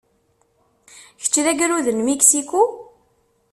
Kečč d agrud n Mexico?